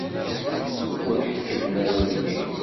Ur ḥekkmen ara deg-i!